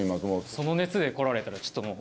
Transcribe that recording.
その熱で来られたらちょっともう。